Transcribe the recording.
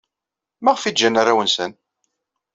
Maɣef ay ǧǧan arraw-nsen?